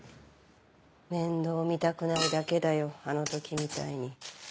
面倒見たくないだけだよあの時みたいに。